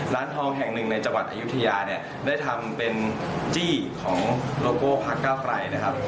ร้านทองแห่งหนึ่งในจังหวัดอายุทยาเนี่ยได้ทำเป็นจี้ของโลโก้พักเก้าไกลนะครับ